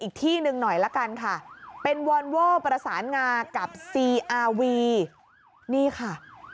อีกที่หนึ่งหน่อยละกันค่ะเป็นวอนเวอร์ประสานงากับซีอาวีนี่ค่ะ